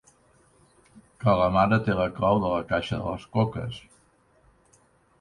...que la mare té la clau de la caixa de les coques.